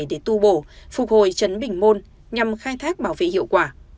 để tu bổ phục hồi chấn bình môn nhằm khai thác bảo vệ hiệu quả